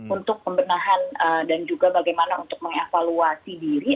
untuk pembenahan dan juga bagaimana untuk mengevaluasi diri